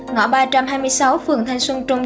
ngõ ba trăm hai mươi sáu phường thanh xuân trung